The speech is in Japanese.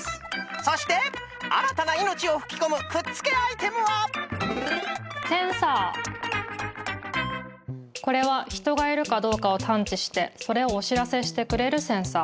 そしてあらたないのちをふきこむくっつけアイテムはこれはひとがいるかどうかをたんちしてそれをおしらせしてくれるセンサー。